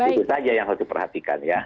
itu saja yang harus diperhatikan ya